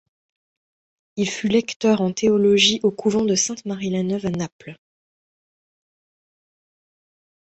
Il fut lecteur en théologie au couvent de Sainte-Marie-la-Neuve à Naples.